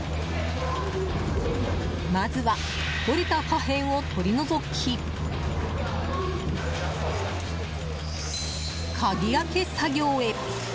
まずは折れた破片を取り除き鍵開け作業へ。